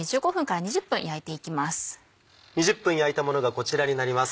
２０分焼いたものがこちらになります。